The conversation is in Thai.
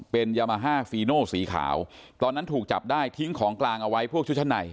เป็นยามาฮ่าฟีโนสีขาวตอนนั้นถูกจับได้ทิ้งของกลางเอาไว้พวกชุดชั้นใน